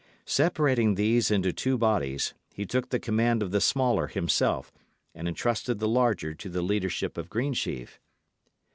Separating these into two bodies, he took the command of the smaller himself, and entrusted the larger to the leadership of Greensheve.